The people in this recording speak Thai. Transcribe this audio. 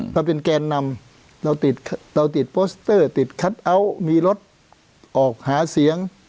เราเป็นแกนนำเราติดเราติดติดมีรถออกหาเสียง